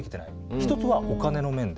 一つはお金の面で。